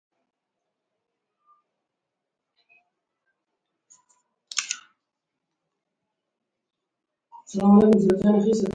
د روغتیا لپاره هره ورځ دېرش دقیقې پلي وګرځئ.